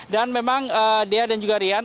dan memang d r dan juga rian